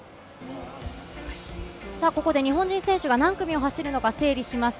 ここで日本人選手が何組を走るのか整理します。